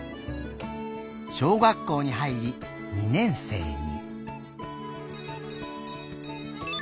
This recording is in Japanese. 小学校にはいり「二年生」に。